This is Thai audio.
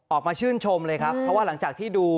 ออกมาชื่นชมเลยครับเพราะว่าหลังจากที่ดู